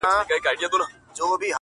زما او جانان د زندګۍ خبره ورانه سوله,